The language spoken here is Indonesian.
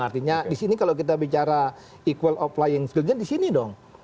artinya disini kalau kita bicara equal applying skill nya disini dong